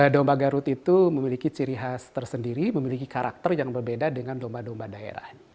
domba garut itu memiliki ciri khas tersendiri memiliki karakter yang berbeda dengan domba domba daerah